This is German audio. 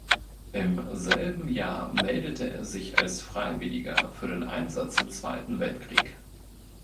Im selben Jahr meldete er sich als Freiwilliger für den Einsatz im Zweiten Weltkrieg.